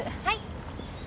はい。